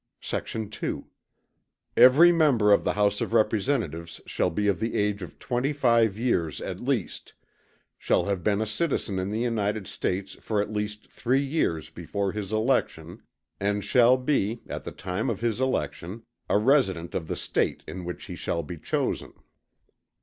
Sect. 2. Every Member of the House of Representatives shall be of the age of twenty five years at least; shall have been a citizen in the United States for at least three years before his election; and shall be, at the time of his election, a resident of the State in which he shall be chosen.